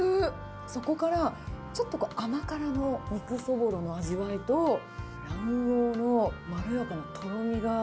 そこからちょっとこう甘辛の肉そぼろの味わいと、卵黄のまろやかなとろみが。